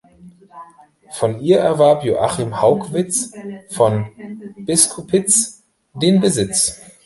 Von ihr erwarb Joachim Haugwitz von Biskupitz den Besitz.